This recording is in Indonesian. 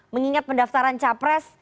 mengingat pendaftaran capres